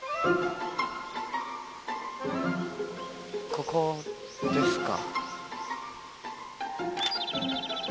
ここですか？